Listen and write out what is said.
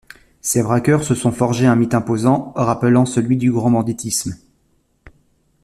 Ces braqueurs se sont forgés un mythe imposant, rappelant celui du grand banditisme.